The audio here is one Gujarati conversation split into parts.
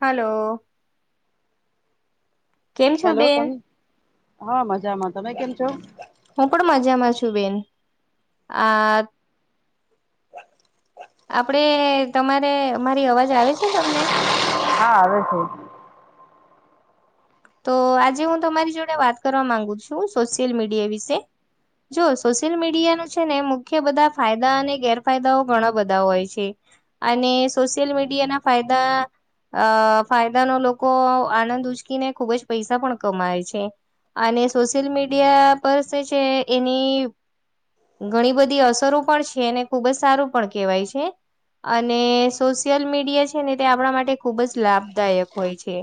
હલો. કેમ છો હાલો કોન! બેન હા મજામાં. તમે કેમ છો? હું પણ મજામાં છું બેન આ આપડે તમારે મારી અવાજ આવે છે તમને? હા આવે છે. તો આજે હું તમારી જોડે વાત કરવા માંગુ છું સોશિયલ મીડિયા વિશે? જો સોશિયલ મીડિયાનો છે ને મુખ્ય બધા ફાયદા અને ગેરફાયદાઓ ઘણા બધા હોય છે. અને સોશિયલ મીડિયાના ફાયદા અ ફાયદાનો લોકો આનંદ ઉચકીને ખુબ જ પૈસા પણ કમાય છે. અને સોશિયલ મીડિયા પર જે છે એની.. ઘણી બધી અસરો છે અને ખુબ જ સારુ પણ કેહેવાય છે. અને સોશિયલ મીડિયા છે ને તે આપણા માટે ખુબ જ લાભદાયક હોય છે.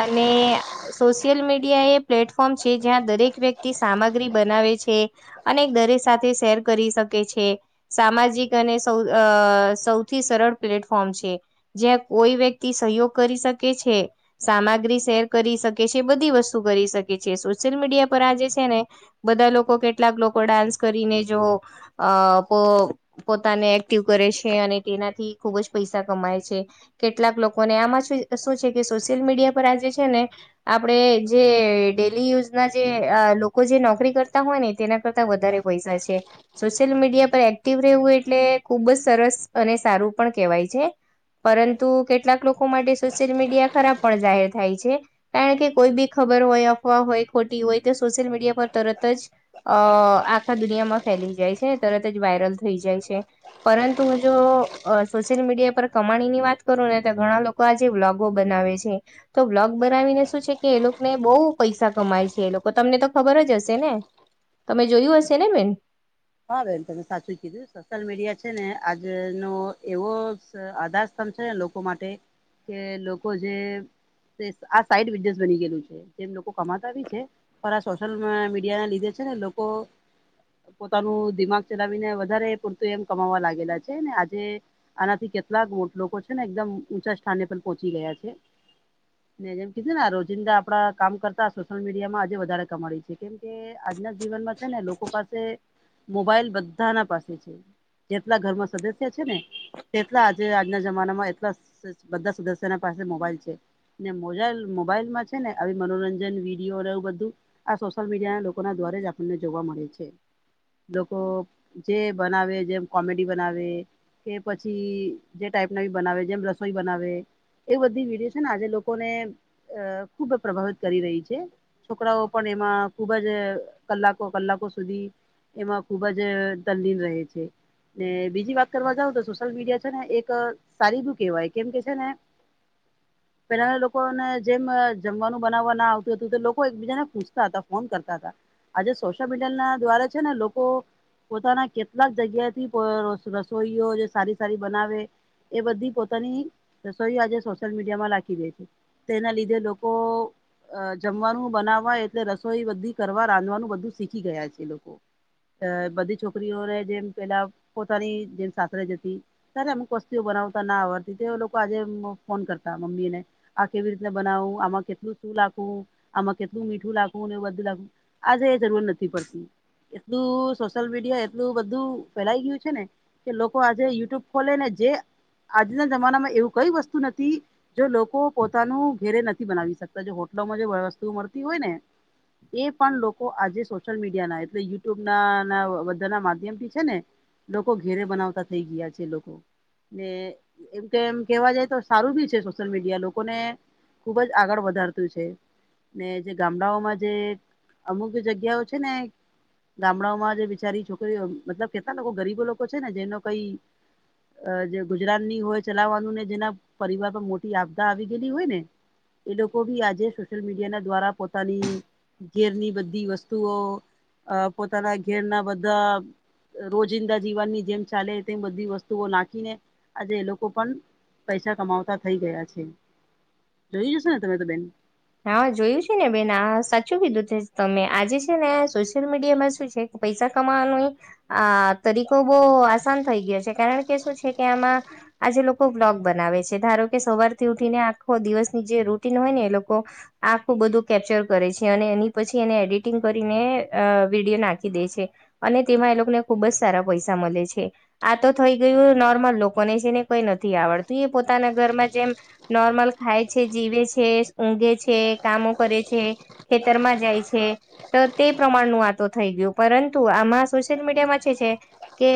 અને સોશિયલ મીડિયા એ પ્લેટફોર્મ છે જ્યાં દરેક વ્યક્તિ સામગ્રી બનાવે છે. અને દરેક સાથે શેર કરી શકે છે. સામાજિક અને સ અ સૌથી સરળ પ્લેટફોર્મ છે. જ્યાં કોઈ વ્યક્તિ સહયોગ કરી શકે છે. શામા શેર કરી શકે છે. બધી વસ્તુ કરી શકે છે. સોશિયલ મીડિયા પર આ જે છે ને બધા લોકો કેટલાક લોકો ડાન્સ કરીને જો અ પોતાને એક્ટિવ કરે છે અને તેનાથી ખુબ જ પૈસા કમાય છે. કેટલાક લોકોને આમાં શું છે કે સોશિયલ મીડિયા પર આજે છે ને આપણે જે ડેલી યુઝ ના જે લોકો જે નોકરી કરતા હોય ને તેના કરતા વધારે પૈસા છે. સોશિયલ મીડિયા પર એક્ટિવ રહેવું એટલે ખુબ જ સરસ અને સારું પણ કહેવાય છે. પરંતુ કેટલાક લોકો માટે સોશિયલ મીડિયા ખરાબ પણ જાય. થાય છે કારણ કે કોઈ બી ખબર હોય અફવા હોય ખોટી હોય તો સોશિયલ મીડિયા પર તરત જ આખા દુનિયામાં ફેલાઈ જાય છે તરત જ વાયરલ થઈ જાય છે. પરંતુ હું જો સોશિયલ મીડિયા પર કમાણી ની વાત કરું ને તો ઘણા લોકો લોકો આજે વ્લોગો બનાવે છે. તો બ્લોગ બનાવીને શું છે કે એ લોકોને બહુ પૈસા કમાય છે એ લોકો તમને તો ખબર જ હશે ને. તમે જોયું હશે ને બેન? હા બેન તમે સાચું કીધું. સોશિયલ મીડિયા છે ને આજ ન એવો આધાર સ્તંભ છે ને લોકો માટે કે લોકો જે આ સાઈડ વિનેસ બની ગયેલું છે જેમ લોકો કમાતા છે. પણ આ સોશિયલ મીડિયા ના લીધે છે ને લોકો પોતાનું દિમાગ ચલાવીને વધારે કમાવા લાગેલા છે ને આજે આનાથી કેટલાક મોટ લોકો છે ને એકદમ ઊંચા સ્થાને પર પહોંચી ગયા છે. જેમ કીધું ને રોજિંદા કામ કરતા સોશિયલ મીડિયા માં આજે વધારે કમા છે કેમ કે આજના જીવનમાં છે ને લોકો પાસે મોબાઈલ બધા ના પાસે છે જેટલા ઘરમાં સદસ્ય છે ને. તેટલા આજે આજના જમાનામાં એટલા બધા સદસ્યના પાસે મોબાઈલ છે. ને મોજાઈલ મોબાઈલમાં છે ને આવી મનોરંજન વિડીયો એવું બધું. આ સોશિયલ મીડિયા ના લોકો ના દ્વારે જ આપણને જોવા મળે છે. લોકો જે બનાવે જેમ--કોમેડી બનાવે, કે પછી જે તે ટાઈપ ના બનાવે જેમ રસોઈ બનાવે. એ બધી વિડીયો છે ને આજે લોકોને અ ખુબ પ્રભાવિત કરી રહી છે. છોકરાઓ પણ એમાં ખુબ જ કલાકો કલાકો સુધી એમાં ખુબ જ તલીન રહે છે. ને બીજી વાત કરવા જઉ તો સોશિયલ મીડિયા છે ને એક સારી શું કેવાય કેમ કે છે ને. [inaudible] પેલા લોકોને જેમ જમવાનું બનાવવા ના આવતું હતું તો લોકો એકબીજાને પૂછતાં હતા ફોન કરતા હતા. આજે સોશિયલ મીડિયા ના દ્વારા છે ને લોકો પોતાના કેટલાક જગ્યા થી રસોઈઓ જે સારી સારી બનાવે. એ બધી પોતાની રસોઈ આજે સોશિયલ મીડિયા માં રાખી દે છે. તેના લીધે લોકો અ જમવાનું બનાવવા એટલે રસોઈ બધી કરવા રાંધવાનું બધું શીખી ગયા છે લોકો બધી છોકરીઓને જેમ પેલા પોતાની જેમ સાસરે જતી ત્યારે અમુક વસ્તીઓ બનાવતા ના આવડતી તો લોકો આજે ફોન કરતા મમ્મી ને. આ કેવી રીતને બનાવું આમાં કેટલું શું લખવું આમાં કેટલું મીઠું લાગવું ને એ બધું લાગવું આજે એ જરૂર નથી પડતી. એટલું સોશિયલ મીડિયા એટલું બધું ફેલાય ગયું છે ન કે લોકો આજે યુટ્યુબ ખોલે ને જે આજના જમાનામાં એવું કઈ વસ્તુ નથી જો લોકો પોતાનું ઘેરે નથી બનાવી શકતા જો હોટલોમાં વસ્તુ મળતી હોય ને એ પણ લોકો આજે સોશિયલ મીડિયા ના યુટ્યુબ ના બધા ના માધ્યમ થી છે ને લોકો ઘેરે બનાવતા થઈ ગયા છે લોકો ને એમ કે એમ કેવા જાય તો સારું બી છે સોશિયલ મીડિયા લોકોને ખુબ જ આગળ વધારતું છે. ને જે ગામડાઓમાં જે અમુક જગ્યાઓ છે ને ગામડાઓમાં જે બીચારી છોકરીઓ મતલબ કેટલા લોકો ગરીબો લોકો છે ને જેનો કઈ જે ગુજરાત ની હોય ચલાવવાનું ને જેના પરિવાર પર મોટી આપદા આવી ગયેલી હોય ને એ લોકો બી આજે સોશિયલ મીડિયા ના દ્વારા પોતાની ઘેરની બધી વસ્તુઓ અ પોતાના ઘેરના બધા રોજિંદા જીવનની જેમ ચાલે તેમ બધી વસ્તુઓ નાખીને આજે એ લોકો પણ પૈસા કમાવતા થઈ ગયા છે જોઈ જશો તમે તો બેન હા જોયું છે ને બેન સાચું કીધું છે તમે આજે છે ને સોશિયલ મીડિયા માં શું છે પૈસા કમાવાનું ઈ આ તરીકો બહુ આસાન થઈ ગયો છે કારણ કે શું છે કે આમાં આજે લોકો બ્લોગ બનાવે છે ધારો કે સવાર થી ઉઠીને આખો દિવસની જે રૂટીન હોય ને એ લોકો કો આખું બધું કેપ્ચર કરે છે અને એની પછી એને એડિટિંગ કરીને વિડીયો નાખી દે છે. અને તેમાં એ લોકોને ખુબ જ સારા પૈસા મળે છે. આ તો થઈ ગયું નોર્મલ લોકોને જેને કઈ નથી આવડતું એ પોતાના ઘરમાં જેમ નોર્મલ થાય છે જીવે છે ઊઘે છે કામો કરે છે ખેતરમાં જાય છે. તો તે પ્રમાણનું આ તો થઈ ગયું પરંતુ આમાં સોશિયલ મીડિયામાં છે છે. કે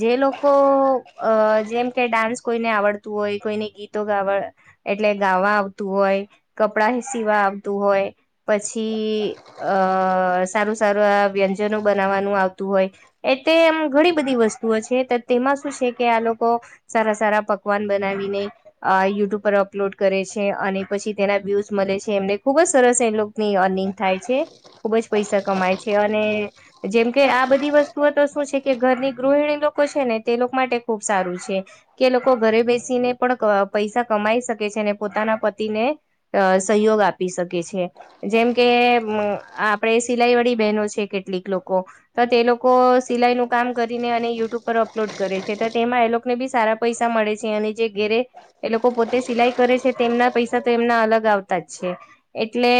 જે લોકો અ જેમ કે ડાન્સ કોઈને આવડતું હોય કોઈને ગીતો ગાવા એટલે ગાવા આવતું હોય કપડાં સીવા આવતું હોય પછી અ સારું સારું આ વ્યંજનો બનાવવાનું આવતું હોય એ તેમ ઘણી બધી વસ્તુઓ છે તેમાં શું છે કે આ લોકો સારા સારા પકવાન બનાવીને યુટ્યુબ પર અપલોડ કરે છે. અને પછી તેના વ્યુઝ મળે છે એમને ખુબ જ સરસ એ લોકોની અર્નિંગ થાય છે. ખુબ જ પૈસા કમાય છે અને જેમ કે આ બધી વસ્તુઓ તો શું છે કે ઘરની ગૃહિણી લોકો છે ને તે લોકો માટે ખુબ સારું છે. કે લોકો ઘરે બેસીને પણ પેસા કમાઈ શકે છે અને પોતાના પતિને અ સહયોગ આપી શકે છે. જેમ કે આપણે સિલાઈ વાળી બહેનો છે કેટલીક લોકો તો તે લોકો સિલાઈ નું કામ કરીને અને યુટ્યુબ પર અપલોડ કરે છે તો તેમાં એ લોકો ને બી સારા પૈસા મળે છે અને જે ઘેરે એ લોકો પોતે સિલાઈ કરે છે. તેમના પૈસા તો એમના અલગ આવતા જ છે એટલે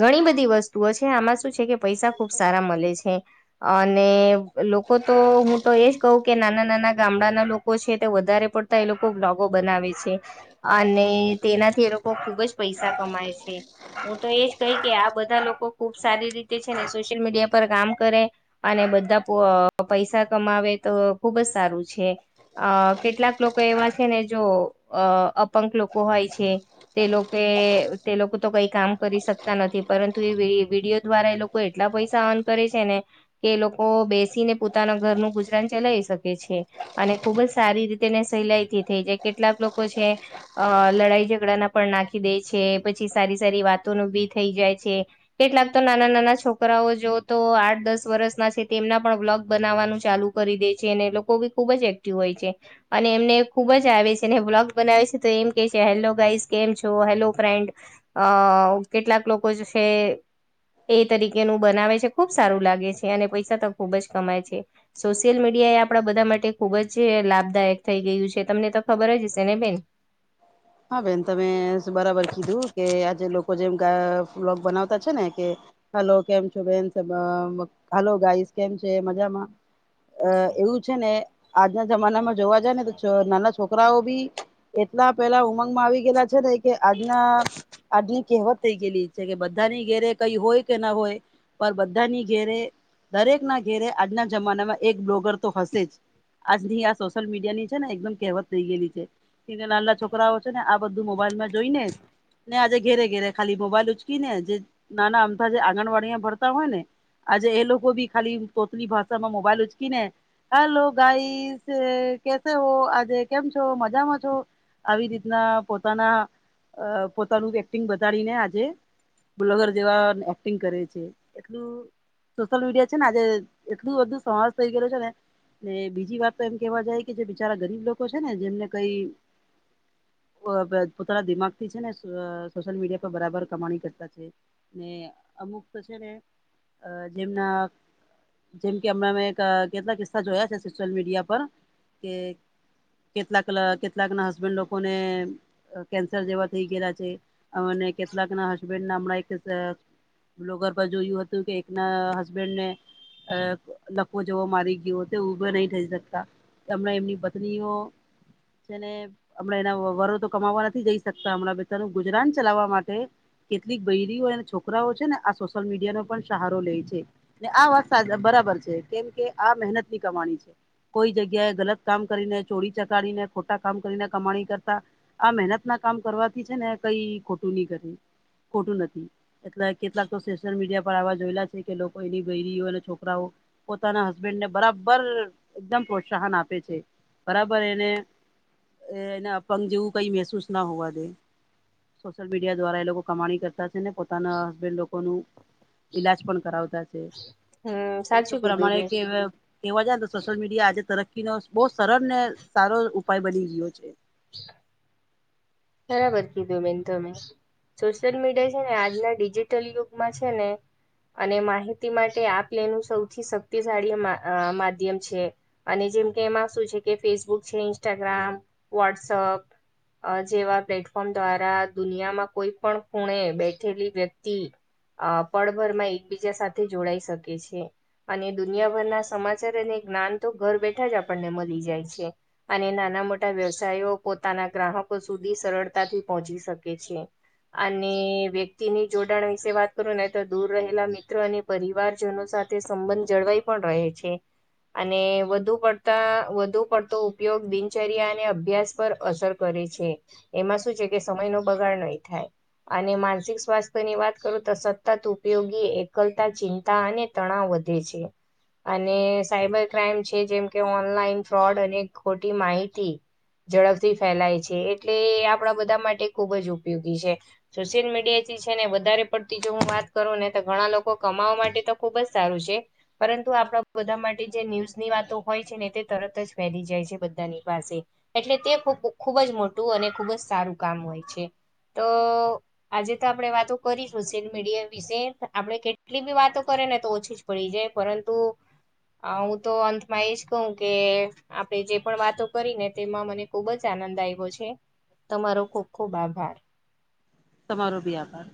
ઘણી બધી વસ્તુઓ છે આમાં શું છે કે પૈસા ખુબ સારા મળે છે. અને લોકો તો હું તો એજ કવ કે નાના નાના ગામડાના લોકો છે તે વધારે પડતા એ લોકો બ્લોગો બનાવે છે. અને તેનાથી એ લોકો ખુબ જ પૈસા કમાય છે. હું તો એજ કહી કે આ બધા લોકો ખુબ સારી રીતે છે ને સોશિયલ મીડિયા પર કામ કરે અને બધા પૈસા કમાવે તો ખુબ જ સારું છે અ કેટલાક લોકો એવા છે ને જો અ અપંગ લોકો હોય છે. તે લોકો તે લોકો તો કઈ કામ કરી શકતા નથી પરંતુ એ વિડીયો દ્વારા એ લોકો કોઈ એટલા પૈસા અર્ન કરે છે ને એ લોકો બેસીને પોતાના ઘરનું ગુજરાન ચલાય શકે છે. અને ખુબજ સારી રીતે સહેલાઈ થી થઈ જાય, કેટલાક લોકો છે. અ લડાઈ ઝઘડાના પણ નાખી દે છે, પછી સારી સારી વાતોન ભી થઈ જાય છે. કેટલાક તો નાના નાના છોકરાઓ જો તો આઠ દસ વર્ષના છે, તેમના પણ બ્લોગ બનાવવાનું ચાલુ કરી દે છે, અને લોકો બી ખુબ જ એક્ટિવ હોય છે, અને એમને ખુબ જ આવે છે, અને બ્લોગ બનાવે છે. તે એમ કે છે, હેલો ગાઈસ કેમ છો? Hello friend. અ કેટલાક લોકો છે. એ તરીકેનું બનાવે છે, ખુબ સારું લાગે છે, અને પૈસા તો ખુબ જ કમાય છે. સોશિયલ મીડિયા એ આપણા બધા માટે ખુબ જ લાભદાયક થઈ ગયું છે, તમને તો ખબર જ હશે ને બેન? હા બેન તમે બરાબર કીધું, કે આજે લો કો જેમ ફ્લોગ બનાવતા છેને કે હલો કેમ છો બેન [unintelligible] હાલો ગાઈસ કેમ છે મજામાં? અ એવું છે ને આજના જમાનામાં જોવા જાય ને તો નાના છોકરાઓ બી એટલા પેલા ઉમંગ આવી ગયલા છે, ને કે આજના આજની કહેવત થઈ ગયેલી છે, કે બધાની ઘેરે કઈ હોય કે ના હોય, પણ બધાની ઘેરે દરેક ના ઘેરે આજના જમાનામાં એક બ્લોગર તો હશે જ. આજ ની આ સોશિયલ મીડિયા ની છે, ને એકદમ કહેવત થઈ ગય છે, કેમકે નાલલા છોક કરાઓ છે ને આ બધું મોબાઈલમાં જોઈ ને ને આજે ઘેરે ઘેરે ખાલી મોબાઈલ ઉચકી ને, જે નાના અમથા જે આંગણવાડી મા ભણતા હોય ને આજે એ લોકો ભી ખાલી તોતલી ભાષા માં મોબાઈલ ઉચકી ને હાલો ગાઈસ, કેશે હો આજે, કેમ છો મજામાં છો? આવી રીતના પોતાના, અ પોતાનું એક્ટિંગ બતાડીને આજે બ્લગર જેવા એક્ટિંગ કરે છે, એટલું સોશિયલ મીડિયા છે ને આજે એટલું બધું સમાસ થઈ ગયલુ છે ને ને બીજી વાત તો એમ કેહેવા જાય, કે જે બિચારા ગરીબ લોકો છે ને, જેમને કઈ વબ પોતાના દિમાગથી છે ને, સ સોશિલ મીડિયા પર બરાબર કમાણી કરતા છે. ને અમુક તો છે ને, અ જેમના જેમ હમણા મે કેટલાક કિસ્સા જોયા છે, સોશિયલ મીડિયા પર કે કેટલાક કેટલાકના હસબેન્ડ લોકોને અ કેન્સર જેવા થઈ ગયેલા છે, અને કેટલાક ના હસબેન્ડ ના હમણાં એક બ્લોગર પર જોયું હતું કે, એકના હસબેન્ડ ને અ લકવો જેવો મારી ગયો, તે ઉભો નહી થઈ શકતા હમણા એમની પત્નીઓ, જેને હમણાં એના વરો તો કમાવવા નથી જઈ શકતા, હમણાં બધાનું ગુજરાન ચલાવવા માટે કેટલીક બૈરીઓ અને છોકરાઓ છે ને આ સોશિયલ મીડિયાનો પણ સહારો લે છે. ને આ વાત સા બરાબર છે, કેમકે આ મહેનતની કમાણી છે. કોઈ જગ્યાએ ગલત કામ કરીને, ચોરી ચકાડીને ખોટા કામ કરીને કમાણી કરતા, આ મહેનતના કામ કરવાથી છે ને કઈ ખોટું નઈ કર્યું. ખોટું નથી એટલે કેટલાક તો સોશિયલ મીડિયા પર આવા જોયલા છે, કે લોકો એની બયરીઓ અને છોકરાઓ પોતાના હસબેન્ડ ને બરાબર એકદમ પ્રોત્સાહન આપે છે, બરાબર એને એ એને અપંગ જેવું કઈ મહેસૂસ ના હોવા દે. સોશિયલ મીડિયા દ્વારા એ લોકો કમાણી કરતા શેને પો તાના હસબેન્ડ લોકોનુ, ઈલાજ પણ કરાવતા શે. હમ એક તો સાચું કીધું પ્રમાણે બેન કેવે કેવા જાય ને તો સોશિયલ મીડિયા આજે તરક્કી નો બહુ સરળ ને સારો ઉપાય બની રહ્યો છે હ બરાબર કીધું બેન તમે સોશિયલ મીડિયા છે ને આજના ડિજિટલ યુગમાં છે ને અને માહિતી માટે આપ લે નું સૌથી શક્તિશાળી મા માધ્યમ છે અને જેમ કે એમાં શું છે કે ફેસબુક છે ઇન્સ્ટાગ્રામ વોટ્સઅપ અ જેવા પ્લેટફોર્મ દ્વારા દુનિયામાં કોઈ પણ ખૂણે બેઠેલી વ્યક્તિ અ પળભર માં એકબીજા સાથે જોડાઈ શકે છે અને દુનિયાભરના સમાચાર અને જ્ઞાન તો ઘર બેઠા જ આપણને મલી જાય છે અને નાના મોટા વ્યવસાયો પોતાના ગ્રાહકો સુધી સરળતાથી પહોંચી શકે છે. અને વ્યક્તિ ની જોડાણ વિશે વાત કરું ને તો દૂર રહેલા મિત્રો ને પરિવારજનો સાથે સંબંધ જળવાઈ પણ રહે છે અને વધુ પડતા વધુ પડતો ઉપયોગ દિનચર્યા અને અભ્યાસ પર અસર કરે છે એ એમાં શું છે કે સમય નો બગાડ નહી થાય અને માનસિક સ્વાસ્થ્ય ની વાત કરું તો સતત ઉપયોગી એકલતા ચિંતા અને તણાવ વધે છે અને સાયબર ક્રાઈમ છે જેમ કે ઓનલાઈન ફ્રોડ અને ખોટી માહિતી ઝડપથી ફેલાય છે એટલે આપણા બધા માટે ખુબ જ ઉપયોગી છે સોશિયલ મીડિયા થી છે ને વધારે પડતી જો હું વાત કરું ને તો ઘણા લોકો કમાવા માટે તો ખુબ જ સારું છે પરંતુ આપણા બધા માટે જે ન્યૂઝની વાતો હોય છે ને તે તરત જ ફેલી જાય છે બધાની પાસે એટલે તે ખૂ ખૂબ જ મોટું અને ખૂબ જ સારું કામ હોય છે તો આજે તો આપણે વાતો કરી સોશિયલ મીડિયા વિશે આપણે કેટલી બી વાતો કરે ને તો ઓછી છે પડી જાય પરંતુ અ હું તો અંતમાં એજ કહું કે આપણે જે પણ વાતો કરી ને તેમાં મને ખુબ જ આનંદ આવ્યો છે તમારો ખુબ ખુબ આભાર તમારો બી આભાર